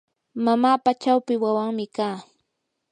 mamapa chawpi wawanmi kaa.